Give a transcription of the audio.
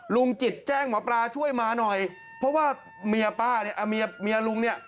ลุงจิตแจ้งหมอปลาช่วยมาหน่อยเพราะว่าเมียป้าเนี่ยเมียลุงเนี่ย